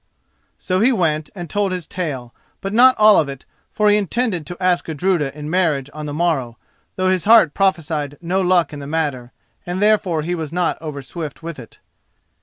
So he went and told his tale; but not all of it, for he intended to ask Gudruda in marriage on the morrow, though his heart prophesied no luck in the matter, and therefore he was not overswift with it.